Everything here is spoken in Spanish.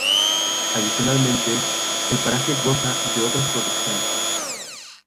Adicionalmente, el paraje goza de otras protecciones.